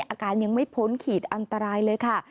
อาการยังไม่พ้นขีดอันตรายเลยค่ะ